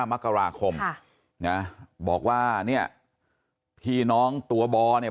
มกราคมค่ะนะบอกว่าเนี่ยพี่น้องตัวบอเนี่ย